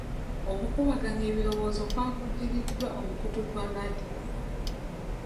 Okukubaganya ebirowoozo kwavujjiriddwa omukutu gwa laadiyo.